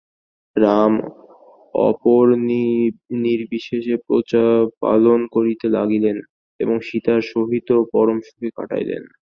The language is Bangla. রাম অপত্যনির্বিশেষে প্রজাপালন করিতে লাগিলেন এবং সীতার সহিত পরম সুখে কাটাইলেন।